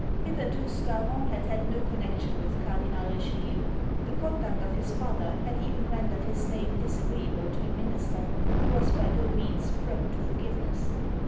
Hitherto Scarron had had no connexion with Cardinal Richelieu. The conduct of his father had even rendered his name disagreeable to the minister, who was by no means prone to forgiveness.